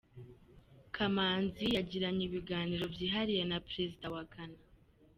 Kamanzi yagiranye ibiganiro byihariye na Perezida wa Ghana.